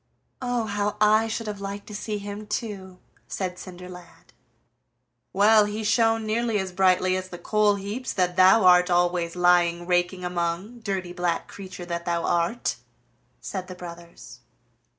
"Oh, how I should have liked to see him too!" said Cinderlad. "Well, he shone nearly as brightly as the coal heaps that thou art always lying raking among, dirty black creature that thou art!" said the brothers.